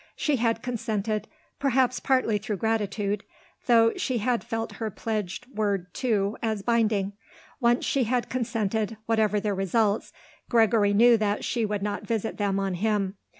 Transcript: She had consented, perhaps, partly through gratitude, though she had felt her pledged word, too, as binding. Once she had consented, whatever the results, Gregory knew that she would not visit them on him.